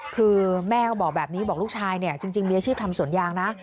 คือแม่ก็บอกแบบนี้บอกลูกชายเนี่ยจริงมีอาชีพทำสวนยางนะ